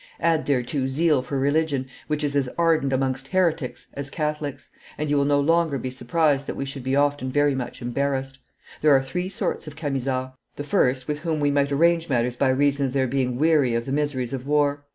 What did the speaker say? Add thereto zeal for religion, which is as ardent amongst heretics as Catholics, and you will no longer be surprised that we should be often very much embarrassed. There are three sorts of Camisards: the first, with whom we might arrange matters by reason of their being weary of the miseries of war.